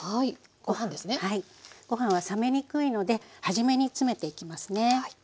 ご飯は冷めにくいので初めに詰めていきますね。